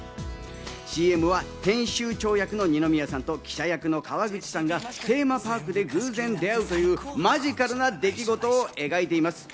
ＣＭは編集長役の二宮さんと記者役の川口さんがテーマパークで偶然出会うというマジカルな出来事を描いています。